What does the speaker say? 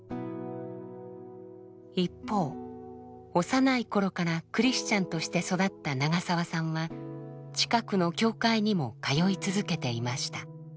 一方幼い頃からクリスチャンとして育った長澤さんは近くの教会にも通い続けていました。